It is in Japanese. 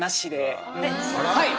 はい！